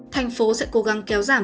thành phố sẽ cố gắng kéo giảm